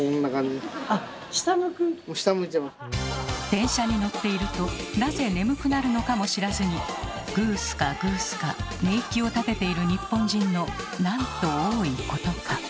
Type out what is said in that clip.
電車に乗っているとなぜ眠くなるのかも知らずにグースカグースカ寝息を立てている日本人のなんと多いことか。